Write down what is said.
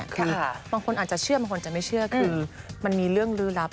บางคนอาจจะเชื่อบางคนจะไม่เชื่อคือมันมีเรื่องลื้อลับ